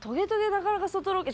なかなか外ロケ。